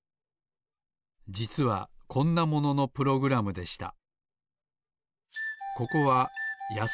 じつはこんなもののプログラムでした。